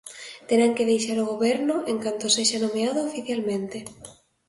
Terá que deixar o Goberno en canto sexa nomeado oficialmente.